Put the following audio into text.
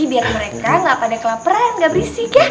biar mereka gak pada kelaparan gak berisik ya